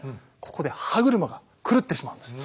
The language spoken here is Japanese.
ここで歯車が狂ってしまうんです。